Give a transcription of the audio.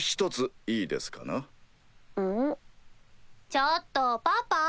ちょっとパパ。